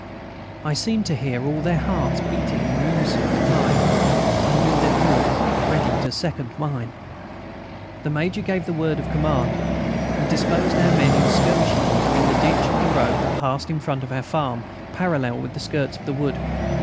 I seemed to hear all their hearts beating in unison with mine; and knew their wills ready to second mine. The Major gave the word of command. We disposed our men in skirmishing order in the ditch of the road that passed in front of our farm, parallel with the skirts of the wood.